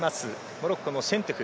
モロッコのシェントゥフ。